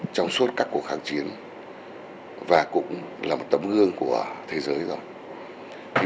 trong suốt các cuộc kháng chiến và cũng là một tấm gương của thế giới rồi